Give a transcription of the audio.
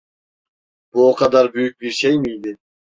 Bu o kadar büyük bir şey miydi?